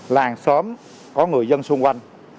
làng xóm có người dân xung quanh